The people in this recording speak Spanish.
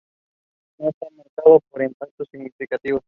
No está marcado por impactos significativos.